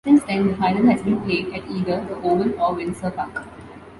Since then the final has been played at either The Oval, or Windsor Park.